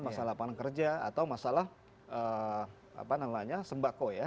masalah lapangan kerja atau masalah sembako ya